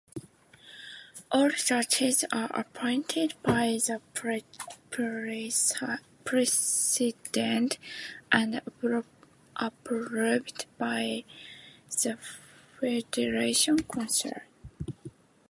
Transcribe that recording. All judges are appointed by the President and approved by the Federation Council.